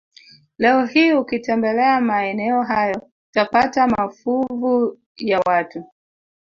Leo hii ukitembelea maeneo hayo utapata mafuvu ya watu